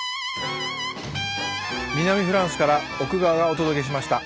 南フランスから奥川がお届けしました。